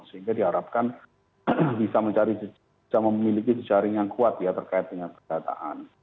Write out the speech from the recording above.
sehingga diharapkan bisa memiliki jejaring yang kuat ya terkait dengan pendataan